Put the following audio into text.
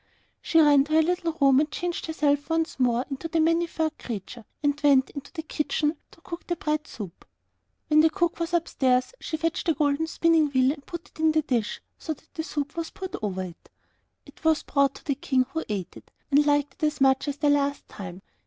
She ran to her little room and changed herself once more into the Many furred Creature, and went into the kitchen to cook the bread soup. When the cook was upstairs, she fetched the golden spinning wheel and put it in the dish so that the soup was poured over it. It was brought to the King, who ate it, and liked it as much as the last time.